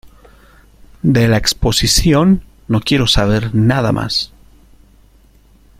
¡De la exposición no quiero saber nada más!